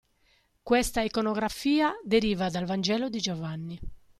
Questa iconografia deriva dal Vangelo di Giovanni.